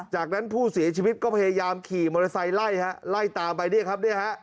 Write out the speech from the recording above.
จากนั้นผู้เสียชีวิตก็พยายามขี่มอเตอร์ไซค์ไล่ฮะไล่ตามไปเนี่ยครับเนี่ยฮะ